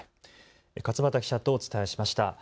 勝又記者とお伝えしました。